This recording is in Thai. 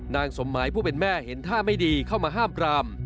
นางสมหมายผู้เป็นแม่เห็นท่าไม่ดีเข้ามาห้ามปราม